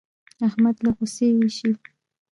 احمد له غوسې اېشي.